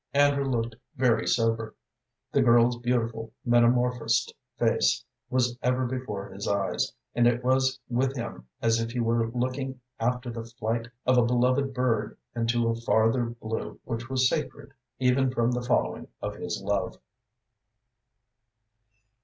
Andrew looked very sober. The girl's beautiful, metamorphosed face was ever before his eyes, and it was with him as if he were looking after the flight of a beloved bird into a farther blue which was sacred, even from the following of his love.